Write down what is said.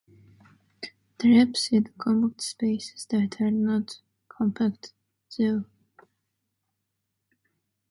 There are pseudocompact spaces that are not compact, though.